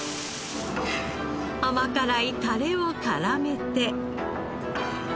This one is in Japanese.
甘辛いタレを絡めて。